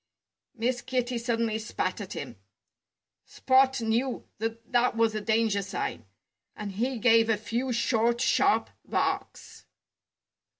Miss Kitty suddenly spat at him. Spot knew that that was a danger sign. And he gave a few short, sharp barks.